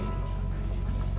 terima kasih pak ustadz rw